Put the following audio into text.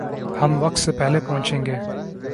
ہم وقت سے پہلے پہنچیں گے